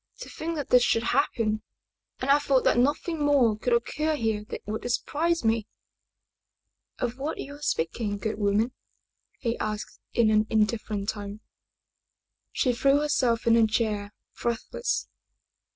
To think that this should happen and I thought that nothing more could occur here that would surprise me !" "Of what are you speaking, good woman?" he asked in an indifferent tone. She threw herself into a chair, breathless.